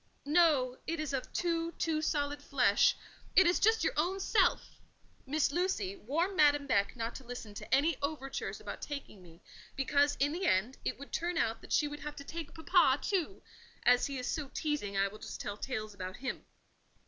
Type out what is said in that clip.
"No! it is of too—too solid flesh: it is just your own self. Miss Lucy, warn Madame Beck not to listen to any overtures about taking me, because, in the end, it would turn out that she would have to take papa too: as he is so teasing, I will just tell tales about him.